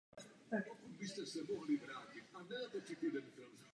Řidčeji jsou pěstovány i jiné druhy.